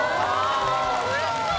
おいしそう！